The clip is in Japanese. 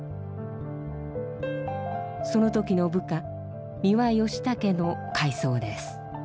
その時の部下三和義勇の回想です。